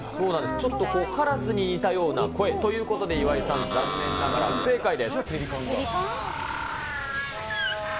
ちょっとカラスに似たような声ということで、岩井さん、残念ながら不正解です。